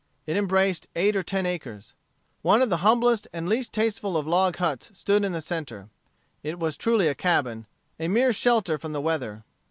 It embraced eight or ten acres. One of the humblest and least tasteful of log huts stood in the centre. It was truly a cabin, a mere shelter from the weather.